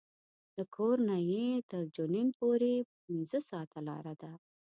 له کور نه یې تر جنین پورې پنځه ساعته لاره ده.